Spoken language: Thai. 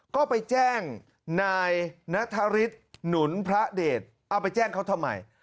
ก็ไปแจ้งนายนัทฤทธิ์หนุนพระเดชเอาไปแจ้งเขาทำไม